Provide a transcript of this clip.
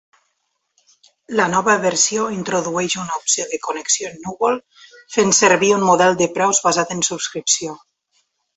La nova versió introdueix una opció de connexió en núvol fent servir un model de preus basat en subscripció.